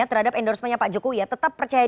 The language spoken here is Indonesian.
terhadap endorsement nya pak jokowi tetap percaya